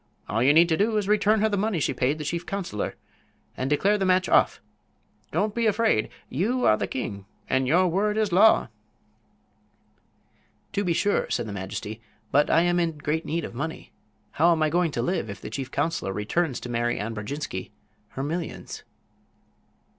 "All you need do is to return her the money she paid the chief counselor and declare the match off. Don't be afraid. You are the king, and your word is law." "To be sure," said the majesty. "But I am in great need of money. How am I going to live if the chief counselor returns to Mary Ann Brodjinski her millions?"